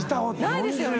ないですよね？